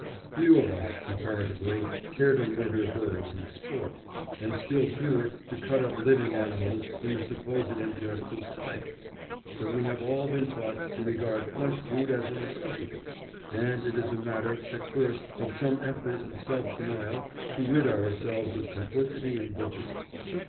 Few of us, comparatively, care to murder birds in "sport," and still fewer to cut up living animals in the supposed interests of "science," but we have all been taught to regard flesh food as a necessity, and it is a matter, at first, of some effort and self denial to rid ourselves of complicity in butchering.